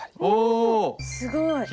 おすごい。